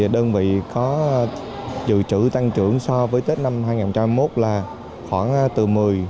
đơn vị có dự trữ tăng trưởng so với tết năm hai nghìn hai mươi một là khoảng từ một mươi